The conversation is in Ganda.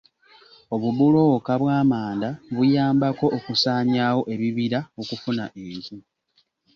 Obubulooka bw'amanda buyambako okusaanyaawo ebibira okufuna enku.